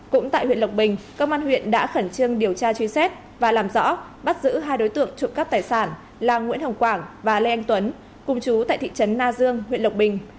cũng tại huyện lộc bình công an huyện đã khẩn trương điều tra truy xét và làm rõ bắt giữ hai đối tượng trộm cắp tài sản là nguyễn hồng quảng và lê anh tuấn cùng chú tại thị trấn na dương huyện lộc bình